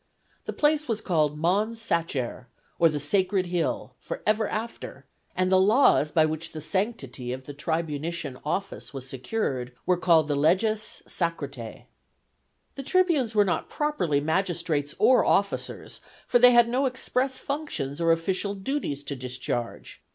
The place was called Mons Sacer, or the Sacred Hill, forever after, and the laws by which the sanctity of the tribunitian office was secured were called the Leges Sacratæ. The tribunes were not properly magistrates or officers, for they had no express functions or official duties to discharge.